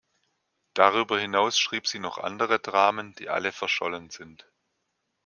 Darüber hinaus schrieb sie noch andere Dramen, die alle verschollen sind.